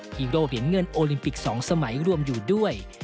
ีโร่เหรียญเงินโอลิมปิก๒สมัยรวมอยู่ด้วย